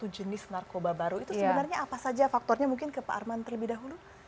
satu jenis narkoba baru itu sebenarnya apa saja faktornya mungkin ke pak arman terlebih dahulu